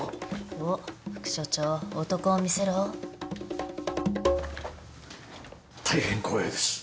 おっ副署長男を見たいへん光栄です